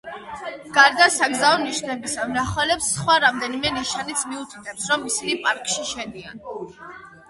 გარდა საგზაო ნიშნებისა, მნახველებს სხვა რამდენიმე ნიშანიც მიუთითებს, რომ ისინი პარკში შედიან.